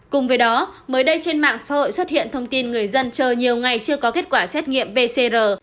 cùng với đó mới đây trên mạng xã hội xuất hiện thông tin người dân chờ nhiều ngày chưa có kết quả xét nghiệm pcr